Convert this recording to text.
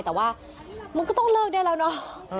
แต่ว่ามันก็ต้องเลิกได้แล้วเนาะ